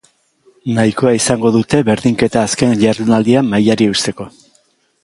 Nahikoa izango dute berdinketa azken jardunaldian mailari eusteko.